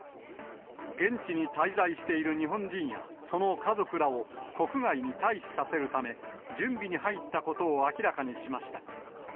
現地に滞在している日本人や、その家族らを国外に退避させるため、準備に入ったことを明らかにしました。